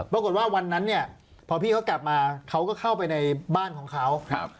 ปรากฏว่าวันนั้นเนี่ยพอพี่เขากลับมาเขาก็เข้าไปในบ้านของเขา